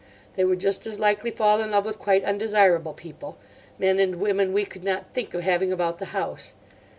They would just as likely fall in love with quite undesirable people—men and women we could not think of having about the house.